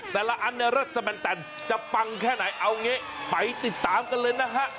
แต่ละอันรัฐสมันตร์จะปังแค่ไหนเอาอย่างนี้ไปติดตามกันเลยนะฮะ